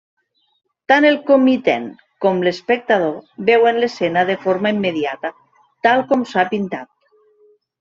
Tant el comitent com l'espectador veuen l'escena de forma immediata, tal com s'ha pintat.